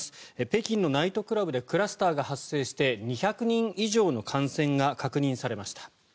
北京のナイトクラブでクラスターが発生して２００人以上の感染が確認されました。